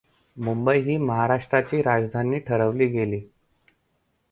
मुंबई ही महाराष्ट्राची राजधानी ठरवली गेली.